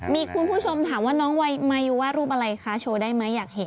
มีคุณผู้ชมถามว่าน้องวัยมายูว่ารูปอะไรคะโชว์ได้ไหมอยากเห็น